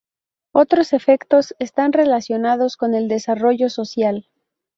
Otros efectos están relacionados con el desarrollo social.